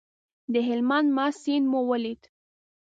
د هلمند مست سیند مو ولید.